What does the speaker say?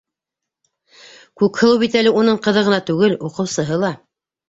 Күкһылыу бит әле уның ҡыҙы ғына түгел, уҡыусыһы ла.